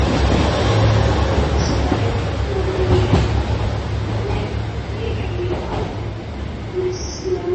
Musiiwa Eric Manyelenyele ndiye aliyekuw msimamizi wa uwanja huo